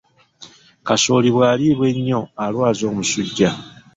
Kasooli bwaliibwa ennyo alwaza omusujja.